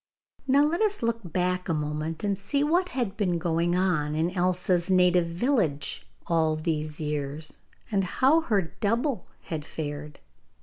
Now let us look back a moment, and see what had been going on in Elsa's native village all these years, and how her double had fared.